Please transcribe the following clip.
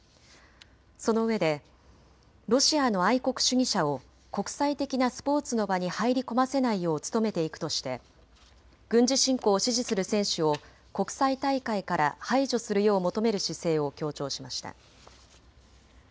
そのうえでロシアの愛国主義者を国際的なスポーツの場に入り込ませないよう努めていくとして軍事侵攻を支持する選手を国際大会から排除するよう求める姿勢を強調しました。